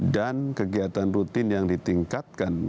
dan kegiatan rutin yang ditingkatkan